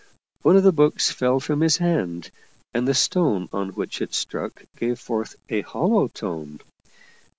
One of the books fell from his hand, and the stone on which it struck gave forth a hollow tone.